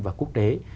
và quốc tế